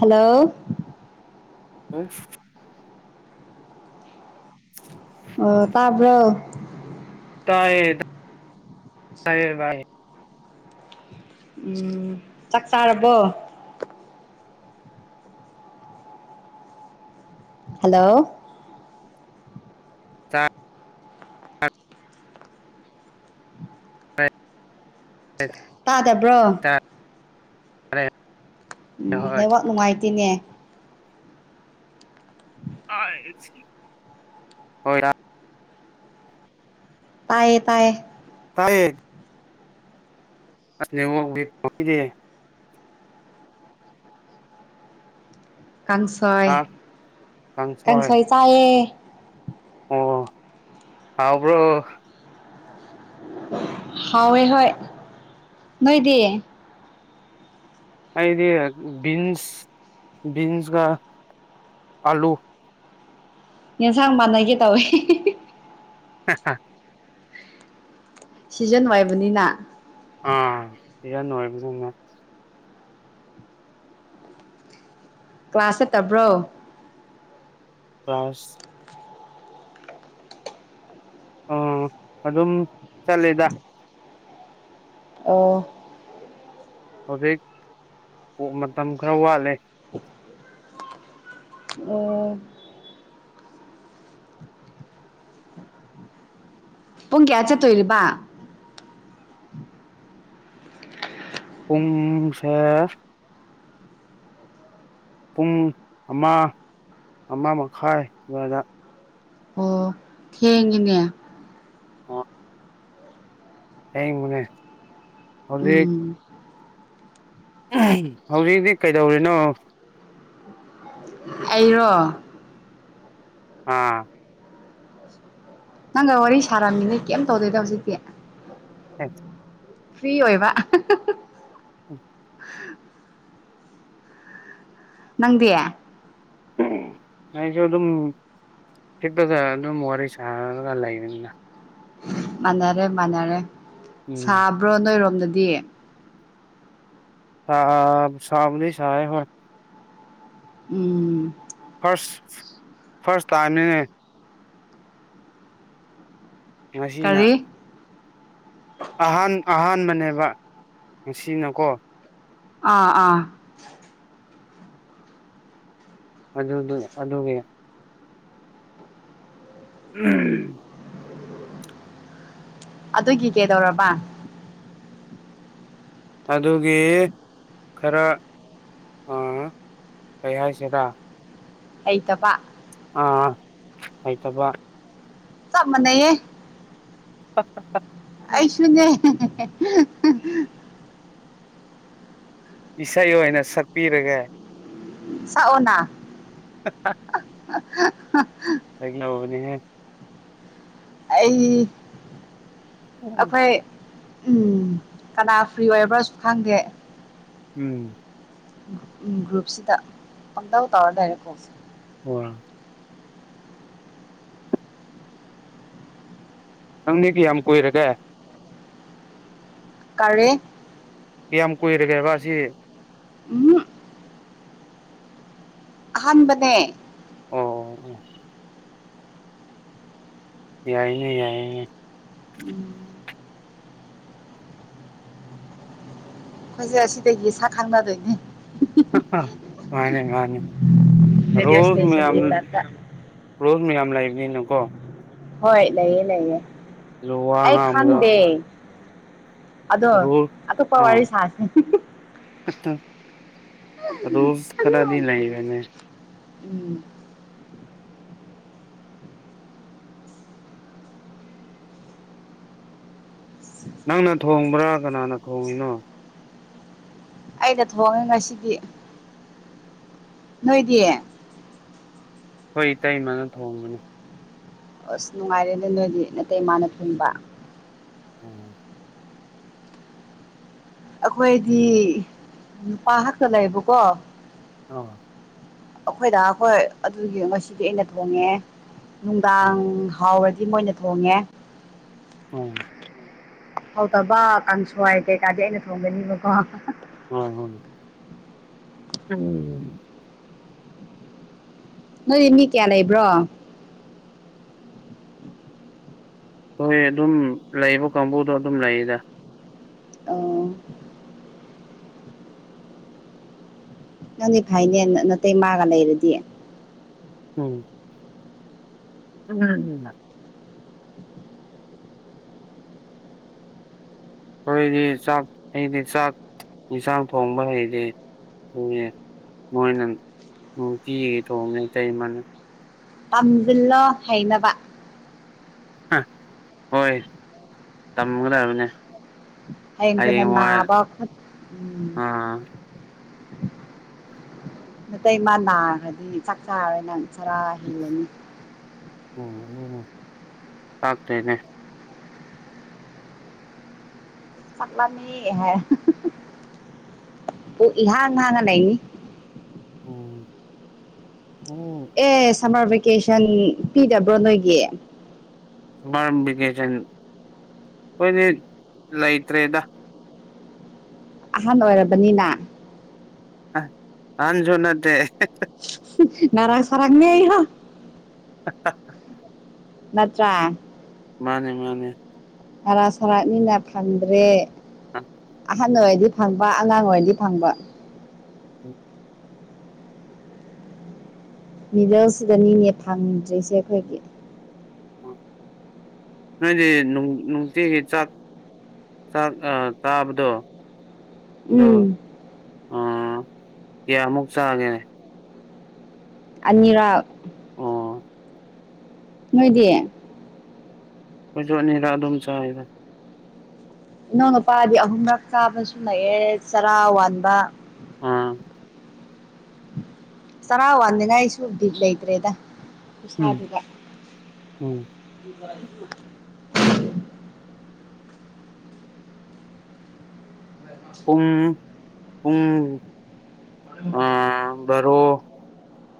hello ꯍꯥ [unintelligible] ꯑꯣ ꯇꯥꯕ꯭ꯔꯣ ꯇꯥꯏꯌꯦ -ꯇꯥꯏꯌꯦ ꯕꯥꯏ ꯎꯝ ꯆꯥꯛ ꯆꯥꯔꯥꯕꯣ ꯍꯜꯂꯣ ꯇꯥꯢ ꯑ [inaudible] ꯇꯥꯗꯥꯕ꯭ꯔꯣ ꯇꯥꯢ ꯎꯝ ꯍꯣꯏ ꯅꯦꯠꯋꯥꯛ ꯅꯨꯡꯉꯥꯏꯇꯦꯅꯦ ꯍꯣꯢ ꯍꯣꯏ ꯔꯥ ꯇꯥꯏꯌꯦ-ꯇꯥꯏꯌꯦ ꯇꯥꯏꯌꯦ ꯑꯁ ꯅꯦꯗꯋꯥꯛ [unintelligible] ꯀꯥꯡꯁꯣꯏ- ꯑꯥ ꯀꯥꯡꯁꯣꯏ ꯆꯥꯏꯌꯦ ꯑꯣ ꯍꯥꯎꯕ꯭ꯔꯣ ꯍꯥꯎꯋꯦ ꯍꯣꯏ ꯅꯣꯏꯗꯤ ꯑꯩꯗꯤ ꯕꯤꯟꯁ ꯕꯤꯟꯁꯒ ꯑꯂꯨ ꯌꯦꯟꯁꯥꯡ ꯃꯥꯟꯅꯒꯦ ꯇꯧꯋꯦ ꯍ ꯍꯥ [unintelligible] ꯁꯤꯖꯟ ꯑꯣꯢꯕꯅꯤꯅ ꯑꯥ ꯁꯤꯁꯥꯟ ꯑꯣꯏꯕꯅꯤꯅ ꯀ꯭ꯂꯥꯁ ꯆꯠꯇꯕ꯭ꯔꯣ ꯀ꯭ꯂꯥꯁ ꯑꯥ ꯑꯗꯨꯝ ꯆꯠꯂꯤꯗ ꯑꯣ ꯍꯧꯖꯤꯛ ꯃꯇꯝ ꯈꯔ ꯋꯥꯠꯂꯤ ꯑꯣ ꯄꯨꯡ ꯀꯌꯥ ꯆꯠꯇꯣꯏꯔꯤꯕ ꯄꯨꯡꯁꯦ ꯄꯨꯡ ꯑꯃ ꯑꯃ ꯃꯈꯥꯏ ꯑꯗꯨꯋꯥꯏꯗ ꯊꯦꯡꯉꯦꯅꯦ ꯑꯣ ꯑꯁꯦꯡꯕꯅꯦ ꯍꯧꯖꯤꯛ ꯎꯝ ꯍꯧꯖꯤꯛꯇꯤ ꯀꯩꯗꯧꯔꯤꯅꯣ ꯑꯩꯔꯣ ꯑꯥ ꯅꯪꯒ ꯋꯥꯔꯤ ꯁꯥꯔꯝꯃꯤꯅꯦ ꯀꯩꯝ ꯇꯧꯗꯦꯗ ꯍꯧꯖꯤꯛꯇꯤ ꯑ [unintelligible] ꯐ꯭ꯔꯤ ꯑꯣꯏꯕ ꯎꯝ [inaudible] ꯅꯪꯗꯤ ꯑꯩꯁꯨ ꯑꯗꯨꯝ ꯍꯤꯞꯂꯒ ꯑꯗꯨꯝ ꯋꯥꯔꯤ ꯁꯥꯔꯒ ꯂꯩꯕꯅꯤꯅ ꯃꯥꯟꯅꯔꯦ ꯃꯥꯟꯅꯔꯦ ꯎꯝ ꯁꯥꯕ꯭ꯔꯣ ꯅꯣꯏꯔꯣꯝꯗꯗꯤ ꯁꯥ ꯁꯥꯕꯨꯗꯤ ꯁꯥꯢ ꯍꯣꯏ ꯎꯝ ꯐꯥꯔꯁ ꯐꯥꯔꯁ ꯇꯥꯢꯝꯅꯤꯅꯦ ꯉꯁꯤꯅ ꯀꯔꯤ ꯑꯍꯥꯟ ꯑꯍꯥꯟꯕꯅꯦꯕ ꯉꯁꯤꯅꯀꯣ ꯑꯥ ꯑꯥ ꯑꯗꯨꯗꯨ ꯑꯗꯨꯗꯒ ꯎꯝ ꯑꯗꯨꯒꯤ ꯀꯩꯗꯧꯔꯕ ꯑꯗꯨꯒꯤ ꯈꯔ ꯀꯩ ꯍꯥꯏꯁꯤꯔ ꯍꯩꯇꯕꯥ ꯑꯥ ꯍꯥꯩꯇꯕ ꯆꯞ ꯃꯥꯟꯅꯩꯌ‌ꯦ ꯐ [unintelligible] ꯑꯩꯁꯨꯅꯦ ꯏꯁꯩ ꯑꯣꯏꯅ ꯁꯛꯄꯤꯔꯒ‌ꯦ ꯁꯛꯑꯣꯅ [unintelligible] ꯂꯩꯅꯦ [unintelligible] ꯑꯩ ꯑꯩꯈꯣꯏ ꯎꯝ ꯀꯅꯥ ꯐ꯭ꯔꯤ ꯑꯣꯏꯕ꯭ꯔꯥꯁꯨ ꯈꯪꯒꯦ ꯎꯝ ꯒ꯭ꯔꯨꯞꯁꯤꯗ ꯑꯃꯪꯇ ꯇꯧꯔ ꯂꯩꯔꯦꯀꯣꯜꯁꯦ ꯑꯣ ꯅꯪꯗꯤ ꯀꯌꯥꯝ ꯀꯨꯏꯔꯒꯦ ꯀꯥꯔꯤ ꯀꯌꯥꯝ ꯀꯨꯏꯔꯒꯦꯕ ꯑꯁꯤ ꯎꯝ ꯑꯍꯥꯟꯕꯅꯦ ꯑꯣ ꯑꯣ ꯑꯣ ꯌꯥꯏꯅꯦ ꯌꯥꯏꯅꯦ [unintelligible] ꯑꯩꯈꯣꯏꯁꯦ ꯑꯁꯤꯗꯒꯤ ꯁꯛ ꯈꯪꯅꯗꯣꯏꯅꯦ ꯃꯥꯅꯦ ꯃꯥꯅꯦ ꯔꯦꯗꯤꯑꯣ ꯔꯣꯖ ꯏꯁꯇꯦꯁꯟꯒꯤ ꯃꯌꯥꯝꯅꯥ ꯇꯥꯏꯞꯇ ꯔꯣꯁ ꯃꯌꯥꯝ ꯂꯩꯕꯅꯤꯅꯀꯣ ꯍꯣꯏ ꯂꯩꯌꯦ ꯂꯩꯌꯦ ꯑꯗꯨ ꯋꯥ ꯑꯩ ꯉꯥꯡꯕꯗ ꯈꯪꯗꯦ ꯑꯗꯣ ꯔꯣꯜ ꯑꯇꯣꯞꯄ ꯋꯥꯔꯤ ꯁꯥꯁꯦ ꯑꯗꯣ ꯔꯨꯁ ꯈꯔꯗꯤ ꯂꯩꯕꯅꯦ ꯎꯝ ꯅꯪꯅ ꯊꯣꯡꯕ꯭ꯔꯥ ꯀꯅꯥꯅ ꯊꯣꯡꯉꯤꯅꯣ ꯑꯩꯅ ꯊꯣꯡꯉꯦ ꯉꯁꯤꯗꯤ ꯅꯣꯏꯗꯤ ꯑꯩꯈꯣꯏ ꯏꯇꯩꯃꯅ ꯊꯣꯡꯕꯅꯤ ꯑꯁ ꯅꯨꯡꯉꯥꯏꯔꯦꯅꯦ ꯅꯣꯏꯗꯤ ꯅꯇꯩꯃꯥꯅ ꯊꯣꯡꯕ ꯎꯝ ꯑꯩꯈꯣꯏꯗꯤ ꯅꯨꯄꯥ ꯉꯥꯛꯇ ꯂꯩꯌꯦꯕꯀꯣ ꯑꯥ ꯑꯩꯈꯣꯏꯗ ꯑꯩꯈꯣꯏ ꯑꯗꯨꯒꯤ ꯉꯁꯤꯗꯤ ꯑꯩꯅ ꯊꯣꯡꯉꯦ ꯅꯨꯡꯗꯥꯡ ꯎꯝ ꯍꯥꯎꯔꯗꯤ ꯃꯣꯏꯅ ꯊꯣꯡꯉꯦ ꯎꯪ ꯍꯥꯎꯗꯕ ꯀꯥꯡꯁꯣꯏ ꯀꯩꯀꯥꯗꯤ ꯑꯩꯅ ꯊꯣꯡꯒꯅꯤꯕꯀꯣ ꯍꯣꯏ ꯍꯣꯏ ꯎꯝ ꯅꯣꯏ ꯃꯤ ꯀꯌꯥ ꯂꯩꯕ꯭ꯔꯣ ꯍꯣꯏ ꯑꯗꯨꯝ ꯂꯩꯕ ꯀꯥꯡꯕꯨꯗꯣ ꯑꯗꯨꯝ ꯂꯩꯌꯦꯗ ꯑꯣ ꯅꯪꯗꯤ ꯐꯩꯅꯦ ꯅꯇꯩꯃꯥꯒ ꯂꯩꯔꯗꯤ ꯎꯝ [unintelligible] ꯑꯩꯈꯣꯏꯗꯤ ꯆꯥꯛ ꯑꯩꯗꯤ ꯆꯥꯛ ꯌꯦꯟꯁꯥꯡ ꯊꯣꯡꯕ ꯍꯩꯗꯦ ꯑꯗꯨꯅꯦ ꯃꯣꯏꯅ ꯅꯨꯡꯇꯤꯒꯤ ꯊꯣꯡꯉꯦ ꯏꯇꯩꯃꯅ ꯇꯝꯖꯤꯜꯂꯣ ꯍꯩꯅꯕ ꯍꯣꯏ ꯇꯝꯒꯗꯕꯅꯦ ꯍꯌꯦꯡ ꯑꯩꯈꯣꯏꯅ ꯍꯩꯌꯦꯡꯋꯥꯏ ꯅꯥꯕ ꯈꯣꯠ ꯎꯝ ꯑꯥ ꯅꯇꯩꯃꯥ ꯅꯥꯈ꯭ꯔꯗꯤ ꯆꯥꯛ ꯆꯥꯔꯔꯣꯏ ꯅꯪ ꯆꯔꯥ ꯍꯦꯜꯂꯅꯤ ꯎꯝ ꯑꯗꯨꯕꯨ ꯇꯥꯛꯇ꯭ꯔꯦꯅꯦ ꯆꯥꯛ ꯂꯥꯝꯃꯦ ꯍꯥꯏꯌꯣ ꯄꯨꯛ ꯏꯍꯥꯡ ꯍꯥꯡꯉ ꯂꯩꯅꯤ ꯑꯣ ꯑꯣ ꯑꯦ ꯁꯝꯃꯔ ꯚꯦꯀꯦꯁꯟ ꯄꯤꯗꯕ꯭ꯔꯣ ꯅꯣꯏꯒꯤ ꯃꯔꯝ ꯕꯤꯀꯦꯁꯟ ꯑꯩꯈꯣꯏꯗꯤ ꯂꯩꯇ꯭ꯔꯦꯗ ꯑꯍꯟ ꯑꯣꯏꯔꯕꯅꯤꯅ ꯑꯦ ꯑꯍꯟꯁꯨ ꯅꯠꯇꯦ [unintelligible] [unintelligible] ꯅꯠꯇ꯭ꯔ ꯃꯥꯅꯦ ꯃꯥꯅꯦ ꯍꯔꯥ ꯁꯔꯥꯛꯅꯤꯅ ꯐꯪꯗ꯭ꯔꯦ ꯑꯍꯟ ꯑꯣꯏꯗꯤ ꯐꯪꯕ ꯑꯉꯥꯡ ꯑꯣꯏꯔꯗꯤ ꯐꯪꯕ ꯎꯝ ꯃꯤꯗꯜꯁꯤꯗꯅꯤꯅꯦ ꯐꯪꯗ꯭ꯔꯤꯁꯦ ꯑꯩꯈꯣꯏꯒꯤ ꯅꯣꯏꯗꯤ ꯅꯨꯡꯇꯤꯒꯤ ꯆꯥꯛ ꯆꯥꯛ ꯆꯥꯕꯗꯣ ꯑꯗꯣ ꯎꯝ ꯑꯥ ꯀꯌꯥꯃꯨꯛ ꯆꯥꯒꯦ ꯑꯅꯤꯔꯛ ꯑꯣ ꯅꯣꯏꯗꯤ ꯑꯩꯈꯣꯏꯁꯨ ꯑꯅꯤꯔꯛ ꯑꯗꯨꯝ ꯆꯥꯏꯌꯦꯗ ꯏꯅꯥꯎ ꯅꯨꯄꯥꯗꯤ ꯑꯍꯨꯝꯔꯛ ꯆꯥꯕꯁꯨ ꯂꯩꯑꯦ ꯆꯔꯥ ꯋꯥꯟꯕ ꯑꯥ ꯆꯔꯥ ꯋꯥꯟꯅꯤꯡꯉꯥꯏꯁꯨ ꯕꯤꯠ ꯂꯩꯇ꯭ꯔꯦꯗ ꯎꯝ ꯈꯨꯁꯥꯗꯨꯒ ꯎꯝ [unintelligible] ꯄꯨꯡ ꯄꯨꯡ ꯑꯥ ꯕꯥꯔꯣ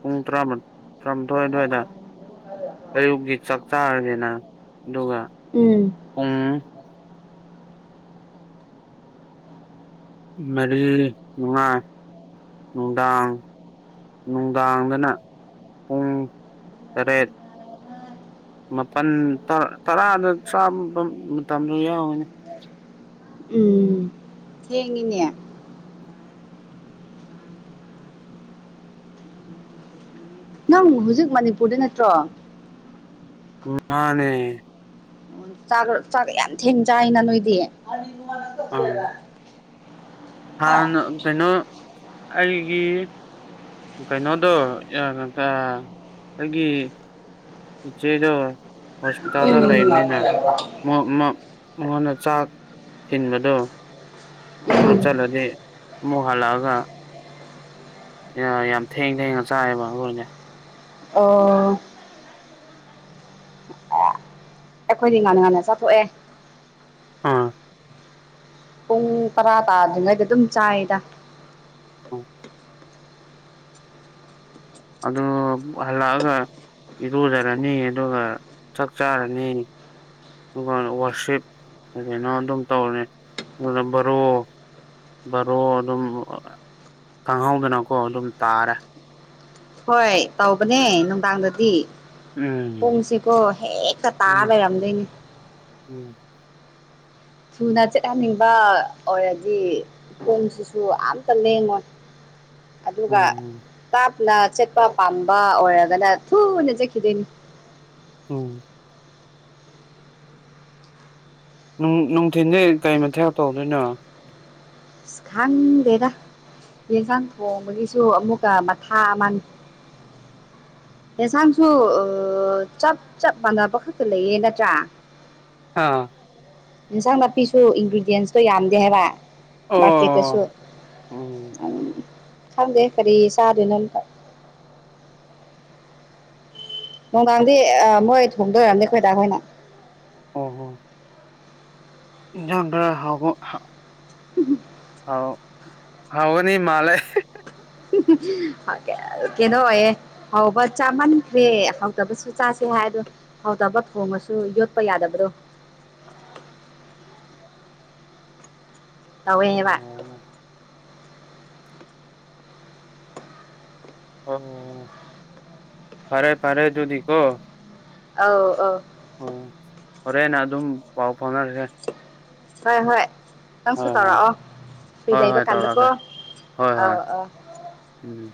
ꯄꯨꯡ ꯇꯔꯥ ꯇꯔꯥꯃꯥꯊꯣꯏ ꯑꯗꯨꯋꯥꯏꯗ ꯑꯌꯨꯛꯒꯤ ꯆꯥꯛ ꯆꯥꯥꯔꯅꯤꯅ ꯑꯗꯨꯒ ꯎꯝ ꯄꯨꯡ ꯃꯔꯤ ꯃꯉꯥ ꯅꯨꯡꯗꯥꯡ ꯅꯨꯡꯗꯥꯡꯗꯅ ꯄꯨꯡ ꯇꯔꯦꯠ ꯃꯥꯄꯜ ꯇꯔꯥꯗ ꯇꯔꯥꯃ ꯆꯥꯕ ꯃꯇꯝꯗ ꯌꯥꯎꯏꯤꯅꯦ ꯎꯝ ꯊꯦꯡꯉꯤꯅꯦ ꯅꯪꯕꯨ ꯍꯧꯖꯤꯛ ꯃꯅꯤꯄꯨꯔꯗ ꯅꯠꯇ꯭ꯔꯣ ꯃꯥꯅꯦ ꯆꯥꯛ ꯌꯥꯝ ꯊꯦꯡꯅ ꯆꯥꯏꯅ ꯅꯣꯏꯗꯤ ꯑꯥ ꯍꯥꯟꯅ ꯀꯩꯅꯣ ꯑꯩꯒꯤ ꯀꯩꯅꯣꯗꯣ ꯑꯩꯒꯤ ꯏꯆꯦꯗꯣ ꯍꯣꯁꯄꯤꯇꯥꯜꯗ ꯎꯝ ꯎꯝ ꯂꯩꯕꯅꯤꯅ ꯃꯉꯣꯟꯗ ꯆꯥꯛ ꯊꯤꯟꯕꯗꯣ ꯑꯗꯨ ꯆꯠꯂꯗꯤ ꯑꯃꯨꯛ ꯍꯜꯂꯛꯑꯒ ꯑꯦ ꯌꯥꯝ ꯊꯦꯡ ꯊꯦꯡꯉ ꯆꯥꯏꯑꯦꯕ ꯑꯩꯈꯣꯏꯅꯦ ꯑ ꯑꯩꯈꯣꯏꯗꯤ ꯉꯥꯟꯅ ꯉꯥꯟꯟꯅ ꯆꯠꯊꯣꯛꯑꯦ ꯑꯥ ꯄꯨꯡ ꯇꯔꯥ ꯇꯥꯗ꯭ꯔꯤꯉꯩꯗ ꯑꯗꯨꯝ ꯆꯥꯏꯗ ꯑ ꯑꯗꯨꯗ ꯍꯜꯂꯛꯑꯒ ꯏꯔꯨꯖꯔꯅꯤ ꯑꯗꯨꯒ ꯆꯥꯛ ꯆꯥꯔꯅꯤ ꯑꯗꯨꯒ ꯋꯥꯔꯁꯤꯞ ꯑꯗꯨꯅ ꯑꯗꯨꯝ ꯇꯧꯅꯤ ꯑꯗꯨꯒ ꯕꯔꯣ ꯕꯔꯣ ꯑꯗꯨꯝ ꯈꯪꯍꯧꯗꯅꯀꯣ ꯑꯗꯨꯝ ꯇꯥꯔꯦ ꯍꯣꯏ ꯇꯧꯕꯅꯦ ꯅꯨꯡꯗꯥꯡꯗꯗꯤ ꯎꯝ ꯄꯨꯡꯁꯤꯀꯣ ꯍꯦꯛꯇ ꯇꯥꯔ ꯎꯝ ꯂꯩꯔꯝꯗꯣꯏꯅꯦ ꯎꯝ ꯊꯨꯅ ꯆꯠꯍꯟꯅꯤꯡꯕ ꯑꯣꯏꯔꯗꯤ ꯈꯣꯡꯁꯤꯁꯨ ꯑꯃꯇ ꯂꯦꯉꯣꯏ ꯑꯗꯨꯒ ꯎꯝ ꯇꯥꯞꯅ ꯆꯠꯄ ꯄꯥꯝꯕ ꯑꯣꯏꯔꯒꯅ ꯊꯨꯅ ꯆꯠꯈꯤꯗꯣꯏꯅꯤ ꯑꯣꯝ ꯅꯨꯡꯊꯤꯟꯁꯦ ꯀꯩ ꯃ ꯊꯦꯛ ꯇꯧꯗꯣꯏꯅꯣ ꯏꯁ ꯈꯥꯟꯗꯦꯗ ꯌꯦꯟꯁꯥꯡ ꯊꯣꯡꯕꯒꯤꯁꯨ ꯑꯃꯨꯛꯀ ꯃꯊꯥ ꯑꯃ ꯌꯦꯟꯁꯥꯡꯁꯨ ꯆꯞ ꯆꯞ ꯃꯥꯟꯅꯕ ꯈꯛꯇ ꯂꯩꯌꯦ ꯅꯠꯇ꯭ꯔꯥ ꯑꯥ ꯏꯟꯁꯥꯡ ꯅꯥꯄꯤꯁꯨ ꯏꯟꯒ꯭ꯔꯤꯗꯤꯌꯦꯟꯁꯇꯣ ꯌꯥꯝꯗꯦ ꯍꯥꯏꯕ ꯃꯥꯔꯀꯦꯠꯇꯁꯨ ꯑꯣ ꯎꯝ ꯈꯪꯗꯦ ꯀꯔꯤ ꯆꯥꯗꯣꯏꯅꯣ ꯅꯨꯡꯗꯥꯡꯗꯤ ꯃꯣꯏ ꯊꯣꯡꯗꯣꯏꯔꯝꯅꯤ ꯑꯩꯈꯣꯏꯗꯥꯈꯣꯏꯅ ꯑꯣ ꯍꯣ ꯏꯟꯖꯥꯡ ꯈꯔ ꯍꯥꯎꯕ ꯎꯝ ꯍꯥꯎ ꯍꯥꯎꯕꯗꯤ ꯃꯥꯜꯂꯦ ꯀꯦꯗꯣꯌꯦ ꯍꯥꯎꯕ ꯆꯥꯃꯟꯈ꯭ꯔꯦ ꯍꯥꯎꯗꯕꯁꯨ ꯆꯥꯁꯦ ꯍꯥꯏꯗꯣ ꯐꯥꯎꯗꯕ ꯊꯣꯡꯉꯁꯨ ꯌꯣꯠꯄ ꯌꯥꯗꯕꯗꯣ ꯇꯧꯋꯦ ꯍꯥꯏꯕ ꯑꯣ ꯑꯣ ꯐꯔꯦ ꯐꯔꯦ ꯑꯗꯨꯗꯤ ꯀꯣ ꯑ ꯑ ꯑꯣ ꯐꯣꯔꯦꯟꯅ ꯑꯗꯨꯝ ꯄꯥꯎ ꯐꯥꯎꯅꯔꯁꯦ ꯍꯣꯏ ꯍꯣꯏ ꯈꯤ ꯅꯇꯪꯁꯨ ꯍꯣꯏ ꯍꯣꯏ ꯇꯧꯔꯛꯑꯣ ꯐꯨꯔꯤ ꯍꯣꯏ ꯂꯩꯕ ꯍꯣꯏ ꯀꯥꯟꯗꯀꯣ ꯇꯧꯔꯒꯦ ꯍꯣꯏ ꯍꯣꯏ ꯑꯧ ꯑꯥ ꯎꯝ